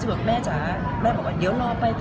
ที่คุณยายบอกไม่ไป